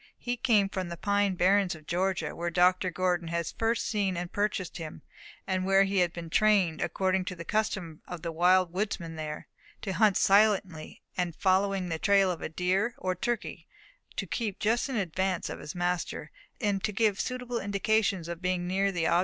He came from the pine barrens of Georgia, where Dr. Gordon had first seen and purchased him, and where he had been trained, according to the custom of the wild woodsmen there, to hunt silently; and in following the trail of a deer or turkey to keep just in advance of his master, and to give suitable indications of being near the object of pursuit.